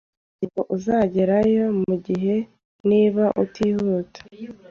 Ntabwo uzagerayo mugihe niba utihuta.